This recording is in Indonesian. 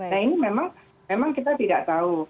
nah ini memang kita tidak tahu